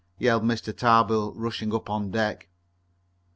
yelled Mr. Tarbill, rushing up on deck.